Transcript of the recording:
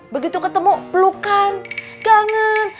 begitu ketemu pelukan gangen